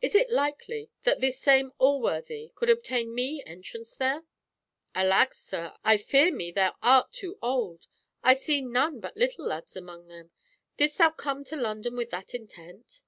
"Is it likely that this same Alworthy could obtain me entrance there?" "Alack, sir, I fear me thou art too old. I see none but little lads among them. Didst thou come to London with that intent?"